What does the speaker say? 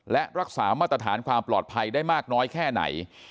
และรักษามาตรฐานความปลอดภัยได้มากน้อยแค่ไหน